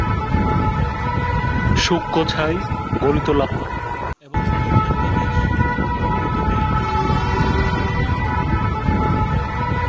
সূক্ষ্ম ছাই, গলিত লাভা এবং অতি উত্তপ্ত গ্যাস গতিতে প্রবাহিত পারে।